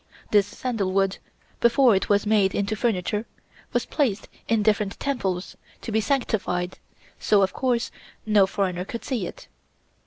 This sandalwood, before it was made into furniture, was placed in different temples, to be sanctified, so of course no foreigner could see it.